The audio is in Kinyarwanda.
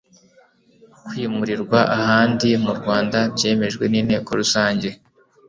kwimurirwa ahandi mu rwanda byemejwe n'inteko rusange